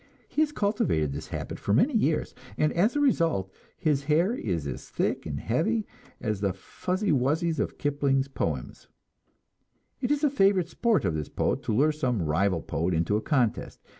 He has cultivated this habit for many years, and as a result his hair is as thick and heavy as the "fuzzy wuzzies" of Kipling's poem. It is a favorite sport of this poet to lure some rival poet into a contest.